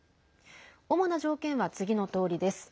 主な条件は次のとおりです。